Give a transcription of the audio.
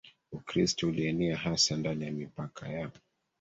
Ukristo ulienea hasa ndani ya mipaka ya